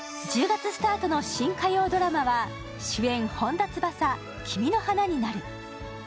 １０月スタートの新火曜ドラマは主演・本田翼、「君の花になる」。